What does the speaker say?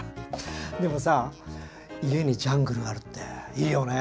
でもさ家にジャングルあるっていいよね。